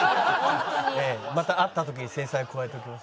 また会った時に制裁を加えておきます。